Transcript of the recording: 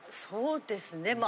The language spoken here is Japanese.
そうですね。